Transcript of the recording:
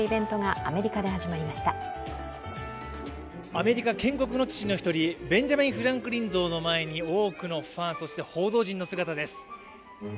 アメリカ建国の父の１人、ベンジャミン・フランクリン像の前に多くのファン、そして報道陣の姿です。